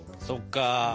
そっか。